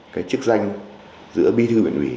chức danh giữa bi thư huyện ủy